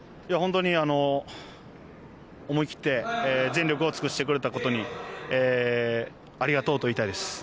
◆本当に、思い切って全力を尽くしてくれたことにありがとうと言いたいです。